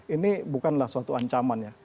ini bukanlah suatu ancaman ya